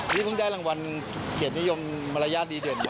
นี่เพิ่งได้รางวัลเกียรตินิยมมารยาทดีเด่นกว่า